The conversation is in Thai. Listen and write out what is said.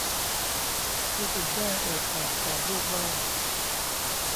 ผู้เป็นแม่เอ่ยปากตอบลูกว่า